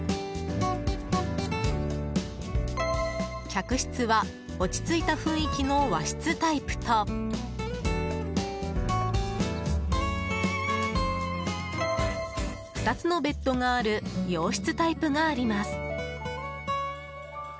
客室は落ち着いた雰囲気の和室タイプと２つのベッドがある洋室タイプがあります。